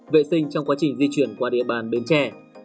vệ sinh trong quá trình di chuyển qua địa bàn bến tre